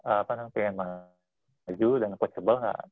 apaan kan pengen maju dan possible gak